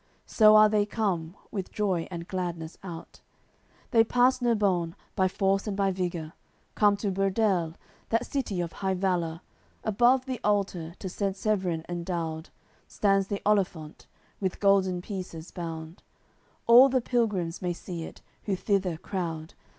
So are they come, with joy and gladness out, They pass Nerbone by force and by vigour, Come to Burdele, that city of high valour. Above the altar, to Saint Sevrin endowed, Stands the olifant, with golden pieces bound; All the pilgrims may see it, who thither crowd.